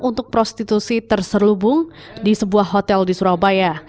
untuk prostitusi terselubung di sebuah hotel di surabaya